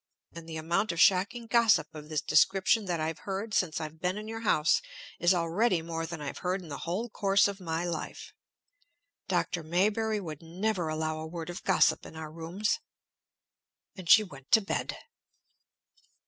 "And the amount of shocking gossip of this description that I've heard since I've been in your house is already more than I've heard in the whole course of my life! Dr. Maybury would never allow a word of gossip in our rooms." And she went to bed.